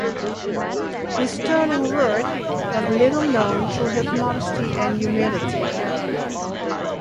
His sterling worth was little known through his modesty and humility.